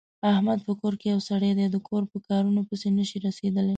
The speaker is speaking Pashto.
احمد په کور کې یو سری دی، د کور په کارنو پسې نشي رسېدلی.